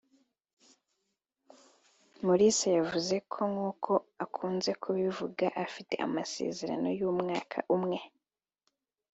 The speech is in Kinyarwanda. Mulisa yavuze ko nk’uko akunze kubivuga afite amasezerano y’umwaka umwe